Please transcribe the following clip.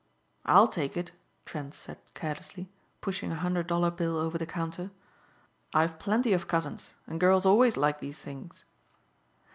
"I'll take it," Trent said carelessly, pushing a hundred dollar bill over the counter, "I've plenty of cousins and girls always like these things."